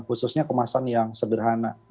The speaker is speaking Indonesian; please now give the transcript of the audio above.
khususnya kemasan yang sederhana